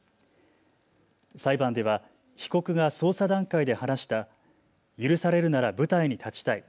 裁判では被告が捜査段階で話した許されるなら舞台に立ちたい。